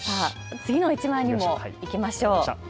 次の１枚にいきましょう。